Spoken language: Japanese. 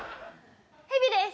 ヘビです。